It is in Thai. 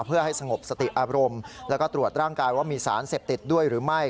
เพื่อให้สงบสติอารมณ์แล้วก็ตรวจร่างกายว่ามีสารเสพติดด้วยหรือไม่